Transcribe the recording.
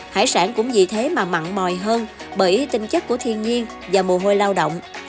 hải sản cũng vì thế mà mặn mòi hơn bởi tinh chất của thiên nhiên và mùa hôi lao động